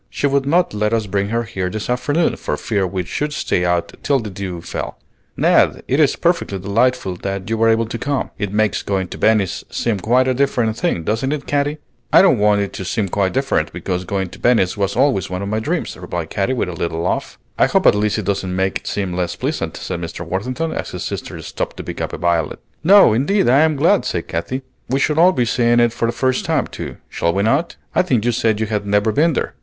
She would not let us bring her here this afternoon, for fear we should stay out till the dew fell. Ned, it is perfectly delightful that you were able to come. It makes going to Venice seem quite a different thing, doesn't it, Katy?" "I don't want it to seem quite different, because going to Venice was always one of my dreams," replied Katy, with a little laugh. "I hope at least it doesn't make it seem less pleasant," said Mr. Worthington, as his sister stopped to pick a violet. "No, indeed, I am glad," said Katy; "we shall all be seeing it for the first time, too, shall we not? I think you said you had never been there."